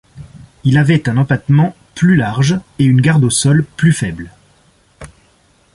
Il avait un empattement plus large et une garde au sol plus faible.